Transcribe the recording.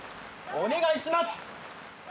お願いします